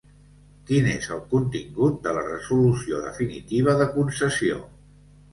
Quin és el contingut de la Resolució definitiva de concessió?